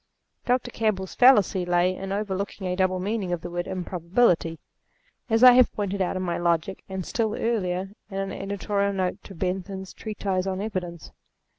Dr. Campbell's fallacy lay in overlooking a double meaning of the word improbability ; as I have pointed out in my Logic, and, still earlier, in an editorial note to Bentham's treatise on Evidence.